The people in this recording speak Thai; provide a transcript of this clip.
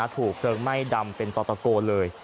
ถูกเกลือไม่ดำเป็นตรดตะโกะเลย